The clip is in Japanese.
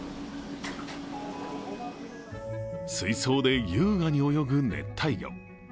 水槽で優雅に泳ぐ熱帯魚。